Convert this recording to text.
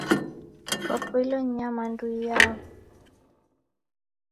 Kwapoilwa ni nyamandu iyao?